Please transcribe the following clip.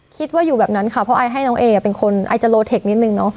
คิดว่าอยู่แบบนั้นค่ะเพราะไอให้น้องเอเป็นคนไอจะโลเทคนิดนึงเนาะ